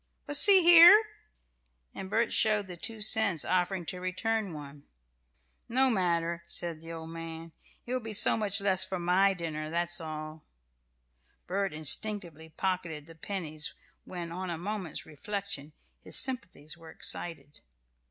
"But, see here!" And Bert showed the two cents, offering to return one. "No matter," said the old man, "it will be so much less for my dinner, that's all." Bert had instinctively pocketed the pennies when, on a moment's reflection, his sympathies were excited.